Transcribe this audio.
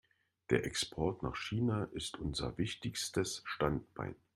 Der Export nach China ist unser wichtigstes Standbein.